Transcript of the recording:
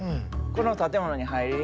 この建物に入り。